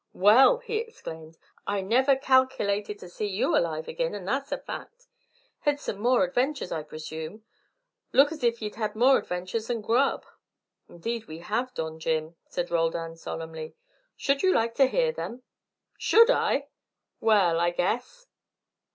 "Well!" he exclaimed, "I never calkilated to see you alive agin, and that's a fact. Hed some more adventures, I presume. Look as if ye'd hed more adventures than grub." "Indeed we have, Don Jim," said Roldan, solemnly. "Should you like to hear them?" "Should I? Well, I guess.